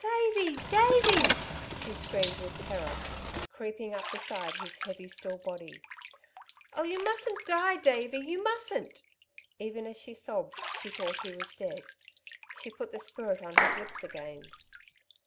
"Davey! Davey!" she screamed with terror, creeping up beside his heavy, still body. "Oh, you mustn't die, Davey you mustn't!" Even as she sobbed she thought he was dead. She put the spirit on his lips again.